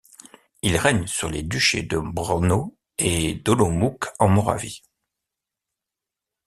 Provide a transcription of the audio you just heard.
Il règne sur les duchés de Brno et d'Olomouc en Moravie.